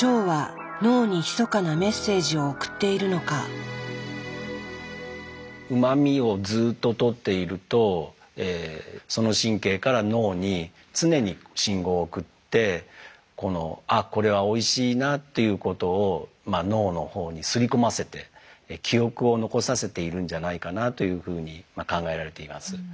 でもうま味をずっととっているとその神経から脳に常に信号を送って「あこれはおいしいな」っていうことを脳の方にすり込ませて記憶を残させているんじゃないかなというふうに考えられています。